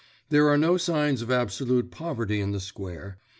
There are no signs of absolute poverty in the square.